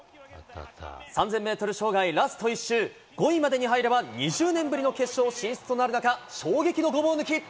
３０００メートル障害ラスト１周、５位までに入れば２０年ぶりの決勝進出となる中、衝撃のごぼう抜き。